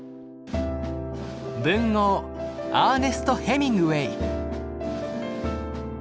文豪アーネスト・ヘミングウェイ。